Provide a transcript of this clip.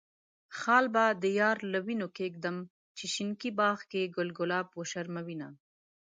خال به د يار له وينو کيږدم، چې شينکي باغ کې ګل ګلاب وشرموينه.